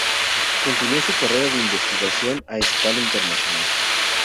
Continuó su carrera de investigación a escala internacional.